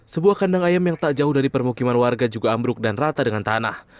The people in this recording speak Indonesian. sebuah kandang ayam yang tak jauh dari permukiman warga juga ambruk dan rata dengan tanah